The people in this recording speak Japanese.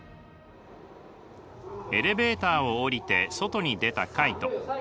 エレベーターをおりて外に出たカイト。